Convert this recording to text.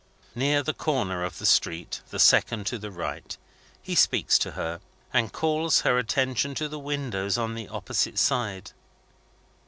Near the corner of the street the second to the right, he speaks to her, and calls her attention to the windows on the opposite side.